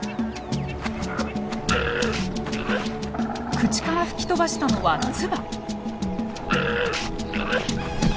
口から吹き飛ばしたのは唾。